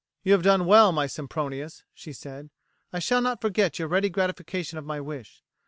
"You have done well, my Sempronius," she said; "I shall not forget your ready gratification of my wish.